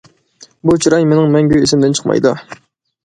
بۇ چىراي مىنىڭ مەڭگۈ ئىسىمدىن چىقمايدۇ.